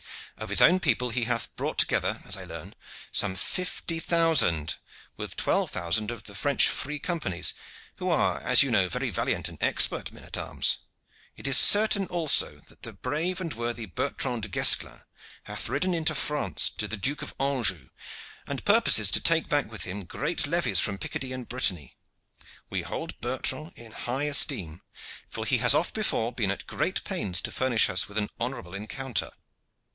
Of his own people he hath brought together, as I learn, some fifty thousand, with twelve thousand of the French free companies, who are, as you know very valiant and expert men at arms. It is certain also, that the brave and worthy Bertrand de Guesclin hath ridden into France to the Duke of Anjou, and purposes to take back with him great levies from Picardy and Brittany. We hold Bertrand in high esteem, for he has oft before been at great pains to furnish us with an honorable encounter.